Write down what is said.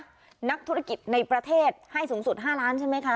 นักธุรกิจในประเทศให้สูงสุด๕ล้านใช่ไหมคะ